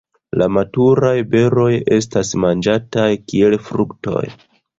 La maturaj beroj estas manĝataj kiel fruktoj.